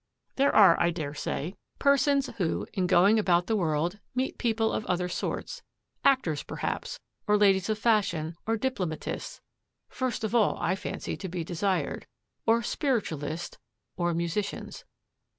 There are, I dare say, persons who, in going about the world, meet people of other sorts: actors, perhaps, or ladies of fashion, or diplomatists, first of all, I fancy, to be desired, or spiritualists, or musicians.